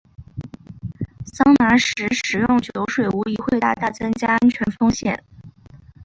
桑拿时食用酒水无疑会大大增加安全风险。